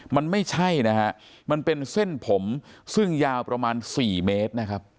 มันไม่ใช่นะฮะมันเป็นเส้นผมซึ่งยาวประมาณ๔เมตรนะครับ